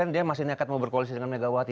dia masih nekat mau berkoalisi dengan megawati